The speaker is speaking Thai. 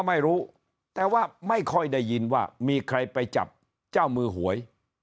ไม่รู้แต่ว่าไม่ค่อยได้ยินว่ามีใครไปจับเจ้ามือหวย